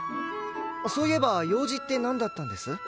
そういえば用事ってなんだったんです？